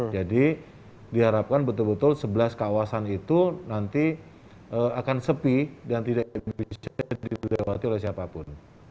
jadi diharapkan betul betul sebelas kawasan itu nanti akan sepi dan tidak bisa diterapkan oleh siapapun